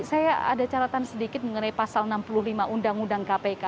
saya ada catatan sedikit mengenai pasal enam puluh lima undang undang kpk